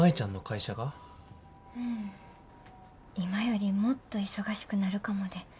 今よりもっと忙しくなるかもで。